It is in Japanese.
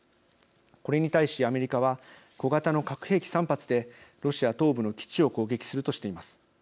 これに対し、アメリカは小型の核兵器３発でロシア東部の基地を攻撃するとしています。